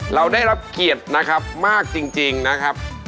เราได้รับเกียรตินะครับมากจริงนะครับ